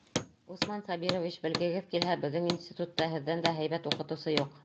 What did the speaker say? Усман Сабирович, белгегеҙ килһә, беҙҙең институтта һеҙҙән дә һәйбәт уҡытыусы юҡ!